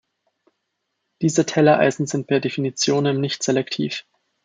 Diese Tellereisen sind per definitionem nicht selektiv.